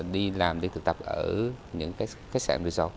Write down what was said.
đi làm đi thực tập ở những khách sạn resort